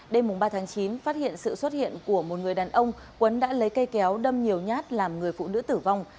đêm ba tháng chín phát hiện sự xuất hiện của một người đàn ông quấn đã lấy cây kéo đâm nhiều nhát làm người phụ nữ tử vong